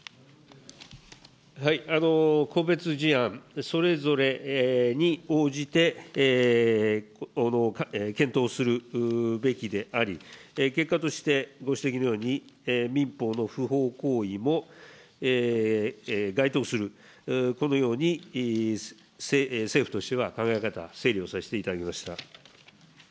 個別事案、それぞれに応じて、検討するべきであり、結果としてご指摘のように民法の不法行為も該当する、このように政府としては考え方、整理をさせていただきました。